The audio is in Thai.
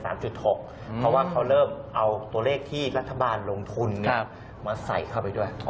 เพราะว่าเขาเริ่มเอาตัวเลขที่รัฐบาลลงทุนมาใส่เข้าไปด้วย